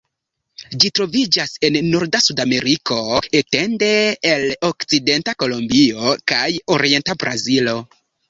Ĝi troviĝas en norda Sudameriko, etende el okcidenta Kolombio kaj orienta Brazilo.